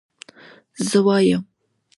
زه وايم